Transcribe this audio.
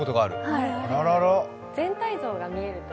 全体像が見えると。